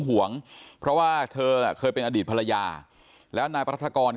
ห่วงเพราะว่าเธอเคยเป็นอดีตภรรยาแล้วนายปรัฐกรก็